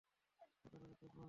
সাধারণ একটা ফোন!